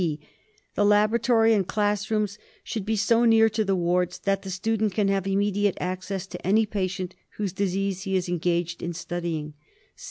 {b) The laboratory and class rooms should be so near to the wards that the student can have immediate access to any patient whose disease he is engaged in studying.